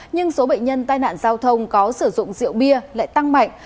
nhưng số bệnh nhân tai nạn giao thông có sử dụng rượu bia lại tăng mạnh